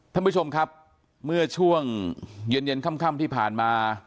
ท่านผู้ชมครับเมื่อช่วงเย็นเย็นค่ำที่ผ่านมา